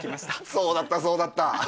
そうだったそうだった。